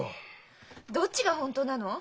どっちが本当なの？